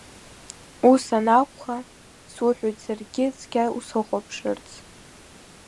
Ус анакәха, суҳәоит саргьы цқьа усыхәаԥшырц.